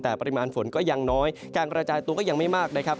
แต่ปริมาณฝนก็ยังน้อยการกระจายตัวก็ยังไม่มากนะครับ